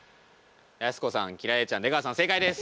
やす子さん輝星ちゃん出川さん正解です。